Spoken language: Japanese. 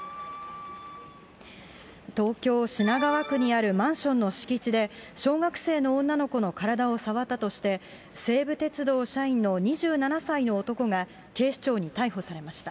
東京・品川区にあるマンションの敷地で、小学生の女の子の体を触ったとして、西武鉄道社員の２７歳の男が警視庁に逮捕されました。